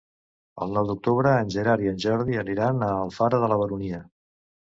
El nou d'octubre en Gerard i en Jordi aniran a Alfara de la Baronia.